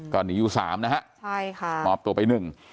ก็หนีอยู่๓นะครับมอบตัวไป๑